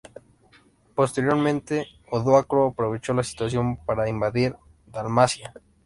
Posteriormente, Odoacro aprovecho la situación para invadir Dalmacia.